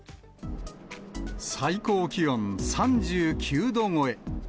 最高気温３９度超え。